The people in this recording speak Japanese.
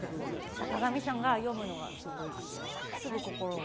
坂上さんが読むのがすごいですすぐ心を。